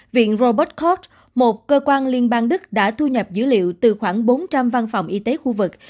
viện robert cot một cơ quan liên bang đức đã thu nhập dữ liệu từ khoảng bốn trăm linh văn phòng y tế khu vực